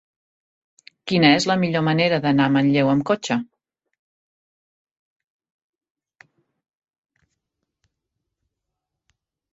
Quina és la millor manera d'anar a Manlleu amb cotxe?